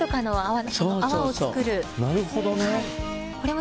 なるほどね。